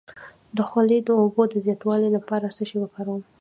د خولې د اوبو د زیاتوالي لپاره څه شی وکاروم؟